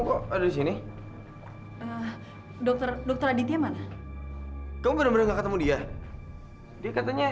kabarnya omnya aditya sakit parah dan dia harus pulang secepatnya